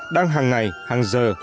đang hàng ngày hàng giờ